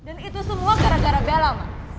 dan itu semua gara gara bella man